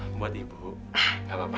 buat ibu nggak apa apa